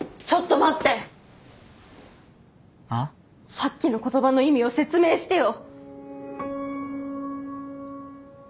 さっきの言葉の意味を説明してよ！